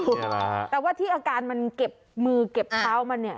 แต่ว่าที่อาการมันเก็บมือเก็บเท้ามัน